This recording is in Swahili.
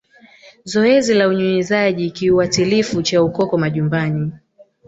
Zoezi la Unyunyiziaji kiuatilifu cha Ukoko majumbani